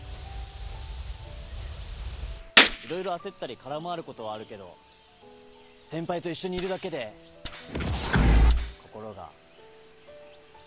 色々焦ったり空回ることはあるけど先輩と一緒にいるだけで心が満たされてるっていうか。